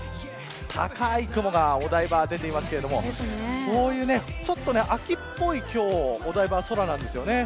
高い雲がお台場は出ていますがこういうちょっと秋っぽい今日のお台場の空なんですよね。